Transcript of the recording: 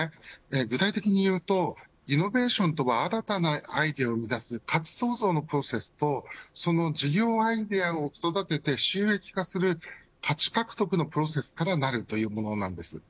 具体的にいうとイノベーションとは新たなアイデアを生み出す価値創造のプロセスとその事業アイデアを育てて収益化する価値獲得のプロセスからなるというものなんです。